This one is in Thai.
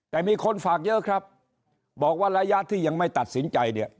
แต่มีคนฝากเยอะครับบอกว่าระยะที่ยังไม่ตัดสินใจเนี่ย